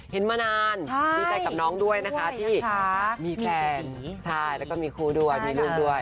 มานานดีใจกับน้องด้วยนะคะที่มีแฟนใช่แล้วก็มีคู่ด้วยมีลูกด้วย